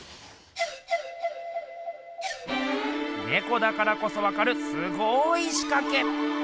ねこだからこそわかるすごいしかけ！